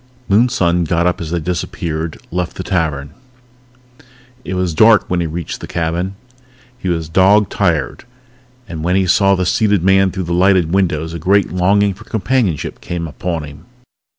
Moonson got up as they disappeared, left the tavern. It was dark when he reached the cabin. He was dog tired, and when he saw the seated man through the lighted window a great longing for companionship came upon him.